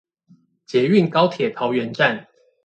捷運高鐵桃園站